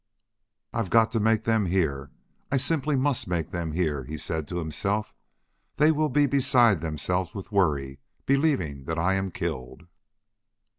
"I've got to make them hear. I simply must make them hear," he said to himself. "They will be beside themselves with worry, believing that I am killed."